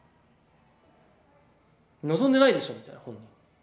望んでないでしょみたいな本人。